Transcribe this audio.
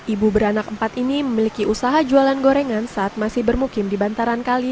ibu beranak empat ini memiliki usaha jualan gorengan saat masih bermukim di bantaran kali